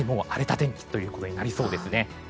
荒れた天気ということになりそうですね。